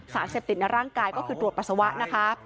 สารเสพติดในร่างกายก็คือตรวจปัสสาวะนะคะ